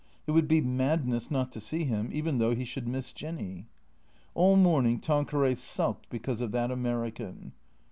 It would be madness not to see him, even though he should miss Jinny. All morning Tanqueray sulked because of that American.